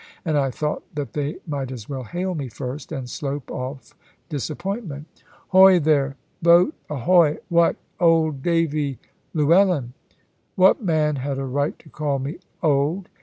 And I thought that they might as well hail me first, and slope off disappointment. "Hoy there! Boat ahoy! What, old Davy Llewellyn!" What man had a right to call me "old"?